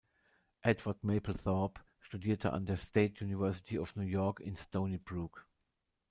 Edward Mapplethorpe studierte an der State University of New York in Stony Brook.